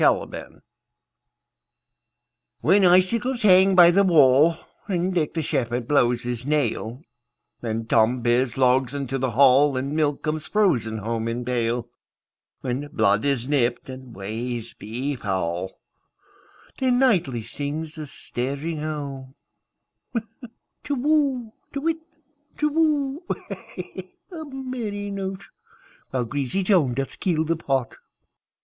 Winter WHEN icicles hang by the wallAnd Dick the shepherd blows his nail, And Tom bears logs into the hall, And milk comes frozen home in pail; When blood is nipt, and ways be foul, Then nightly sings the staring owlTu whoo! To whit, Tu whoo! A merry note! While greasy Joan doth keel the pot.